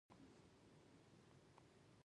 موږ د پلار په اړه هېڅ خبر نه لرو چې هغه چېرته دی